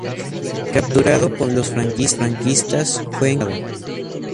Capturado por los franquistas, fue encarcelado.